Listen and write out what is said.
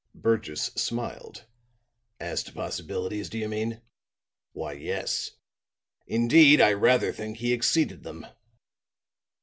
Burgess smiled. "As to possibilities, do you mean? Why, yes. Indeed, I rather think he exceeded them."